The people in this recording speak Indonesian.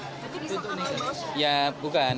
tapi itu untuk negatif kampanye